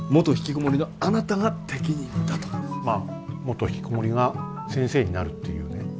まあ元ひきこもりが先生になるっていうね